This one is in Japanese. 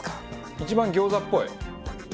一番餃子っぽい。